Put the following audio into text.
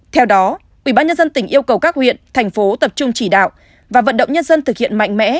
theo đó ubnd tỉnh yêu cầu các huyện thành phố tập trung chỉ đạo và vận động nhân dân thực hiện mạnh mẽ